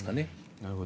なるほど。